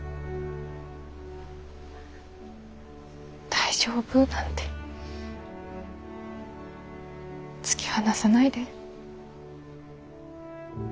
大丈夫なんて突き放さないで。